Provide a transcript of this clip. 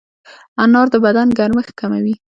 انار د بدن ګرمښت کموي.